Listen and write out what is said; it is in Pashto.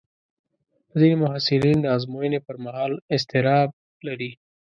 ځینې محصلین د ازموینې پر مهال اضطراب لري.